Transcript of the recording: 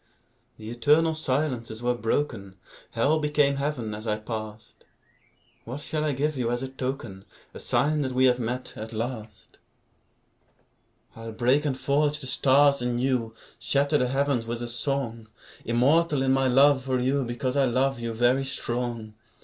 The eternal silences were broken; Hell became Heaven as I passed. What shall I give you as a token, A sign that we have met, at last? I'll break and forge the stars anew, Shatter the heavens with a song; Immortal in my love for you, Because I love you, very strong.